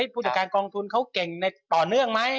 ผู้จัดการกองทุนเขาเก่งต่อเนื่องไหม